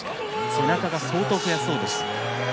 背中が相当、悔しそうでした。